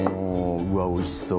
うわおいしそう。